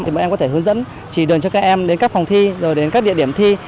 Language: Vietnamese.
thì bọn em có thể hướng dẫn chỉ đường cho các em đến các phòng thi rồi đến các địa điểm thi